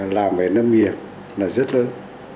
làm về nông nghiệp là rất lớn